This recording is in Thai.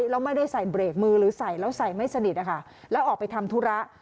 แล้วไม่ได้ใส่เบรกมือหรือใส่แล้วใส่ไม่สนิทแล้วออกไปทำธุระ